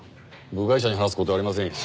部外者に話す事はありませんよ。